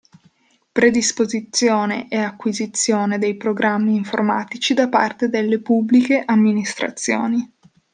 Predisposizione e acquisizione dei programmi informatici da parte delle Pubbliche Amministrazioni.